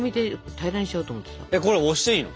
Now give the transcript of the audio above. これ押していいの？